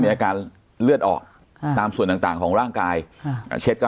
มีอาการเลือดออกค่ะตามส่วนต่างต่างของร่างกายค่ะอ่าเช็ดก็